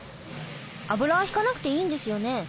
油はひかなくていいんですよね。